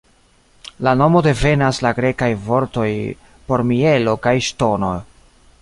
La nomo devenas la grekaj vortoj por mielo kaj ŝtono.